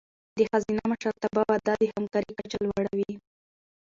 د ښځینه مشرتابه وده د همکارۍ کچه لوړوي.